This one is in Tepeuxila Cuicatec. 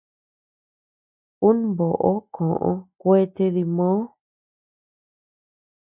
Un boʼo koʼö kuete dimoo.